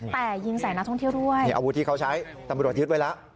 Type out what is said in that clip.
แต่ยิงใส่นักท่องเที่ยวด้วยนี่อาวุธที่เขาใช้ตำรวจยึดไว้แล้ว